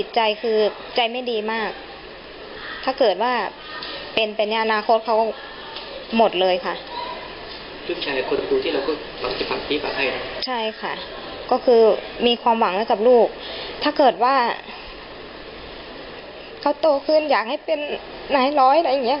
ใช่ค่ะก็คือมีความหวังให้กับลูกถ้าเกิดว่าเขาโตขึ้นอยากให้เป็นนายร้อยอะไรอย่างเงี้